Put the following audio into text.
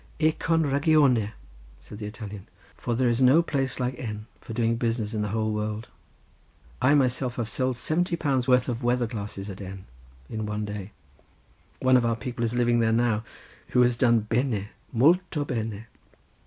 "E con ragione," said the Italian, "for there is no place like N. for doing business in the whole world. I myself have sold seventy pounds' worth of weather glasses at N. in one day. One of our people is living there now, who has done bene, molto bene."